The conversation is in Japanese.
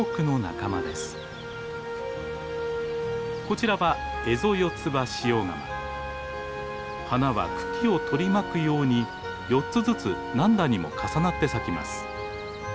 こちらは花は茎を取り巻くように４つずつ何段にも重なって咲きます。